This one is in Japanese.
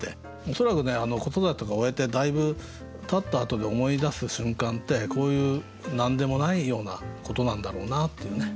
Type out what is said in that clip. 恐らく子育てを終えてだいぶたったあとに思い出す瞬間ってこういう何でもないようなことなんだろうなっていうね。